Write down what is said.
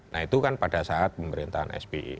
nah itu kan pada saat pemerintahan spi